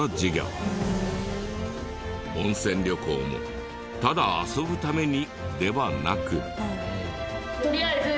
温泉旅行もただ遊ぶためにではなく。